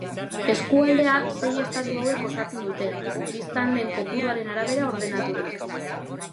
Eskualdea sei estatu hauek osatzen dute, biztanleen kopuruaren arabera ordenaturik.